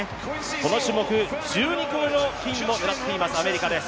この種目１２個目のメダルを狙っています、アメリカです。